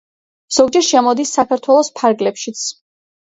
ზოგჯერ შემოდის საქართველოს ფარგლებშიც.